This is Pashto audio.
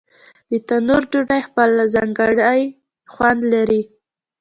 د تنور ډوډۍ خپل ځانګړی خوند لري.